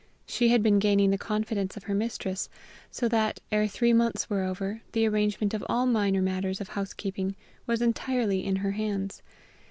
She had been gaining the confidence of her mistress, so that, ere three months were over, the arrangement of all minor matters of housekeeping was entirely in her hands.